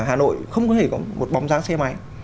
hà nội không có thể có một bóng dáng xe máy